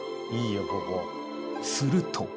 すると。